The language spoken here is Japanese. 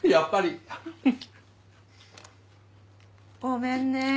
ごめんね。